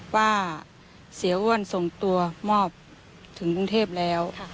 ว่าเสียอ้วนส่งตัวมอบถึงกรุงเทพแล้ว